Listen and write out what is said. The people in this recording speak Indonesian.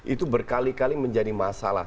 itu berkali kali menjadi masalah